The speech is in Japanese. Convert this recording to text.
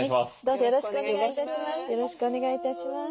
どうぞよろしくお願い致します。